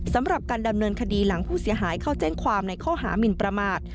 สำหรับการดำเนินคดีหลังผู้เสียหายเข้าแจ้งความในข้อหามินประมาท